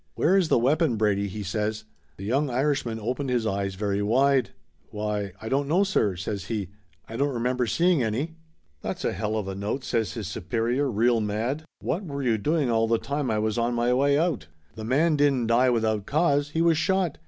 "Where is the weapon, Brady?" he says. The young Irishman opened his eyes very wide. "Why, I don't know, sir!" says he. "I don't re member seeing any !" 310 Laughter Limited "That's a hell of a note!" says his superior, real mad. "What were you doing all the time I was on my way out ? The man didn't die without cause. He was shot.